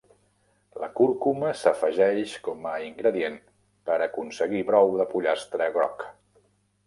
La cúrcuma s'afegeix com a ingredient per aconseguir brou de pollastre groc.